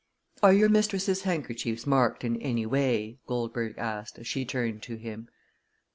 "Are your mistress's handkerchiefs marked in any way?" Goldberg asked, as she turned to him.